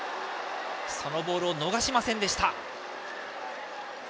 そのボールを逃しませんでした。